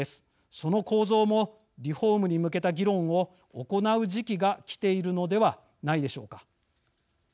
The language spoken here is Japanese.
その構造もリフォームに向けた議論を行う時期がきているのではないでしょうか。